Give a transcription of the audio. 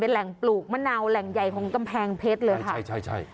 แหล่งปลูกมะนาวแหล่งใหญ่ของกำแพงเพชรเลยค่ะใช่ใช่